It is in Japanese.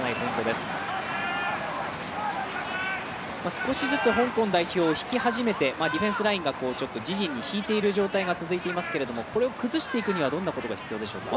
少しずつ香港代表を引き始めて、ディフェンスラインが自陣に引いている状態が続いていますけどこれを崩していくにはどんなことが必要でしょうか。